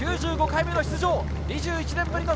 ９５回目の出場。